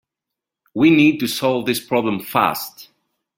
We need to solve this problem fast.